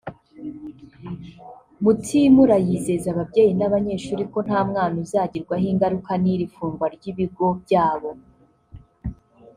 Mutimura yizeza ababyeyi n’abanyeshuri ko nta mwana uzagirwaho ingaruka n’iri fungwa ry’ibigo byabo